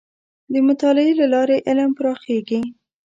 د مطالعې له لارې علم پراخېږي.